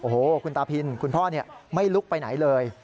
โอ้โหคุณตาพินคุณพ่อไม่ลุกไปไหนเลย